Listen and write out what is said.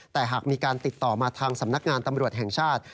แต่หากมีการติดต่อมาทางสำนักงานตำรวจแห่งชาติ